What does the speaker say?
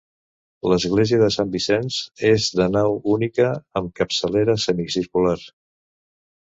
L'església de Sant Vicenç és de nau única, amb capçalera semicircular.